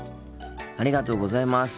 ありがとうございます。